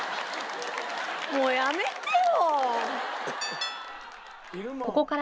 もうやめてよ！